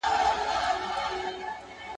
• مجبوره ته مه وايه چي غښتلې.